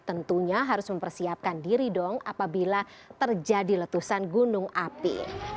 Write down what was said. tentunya harus mempersiapkan diri dong apabila terjadi letusan gunung api